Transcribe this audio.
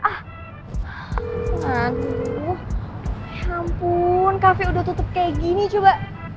aduh ya ampun cafe udah tutup kayak gini coba